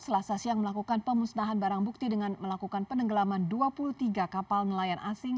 selasa siang melakukan pemusnahan barang bukti dengan melakukan penenggelaman dua puluh tiga kapal nelayan asing